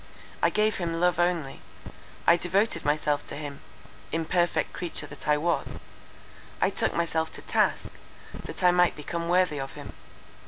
I gave him love only. I devoted myself to him: imperfect creature that I was, I took myself to task, that I might become worthy of him.